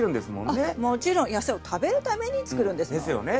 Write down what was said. あっもちろん野菜を食べるために作るんですよ。ですよね。